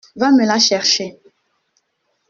Va me la chercher !…